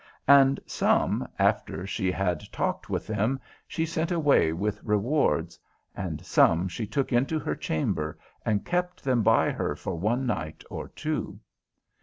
And some, after she had talked with them, she sent away with rewards; and some she took into her chamber and kept them by her for one night or two.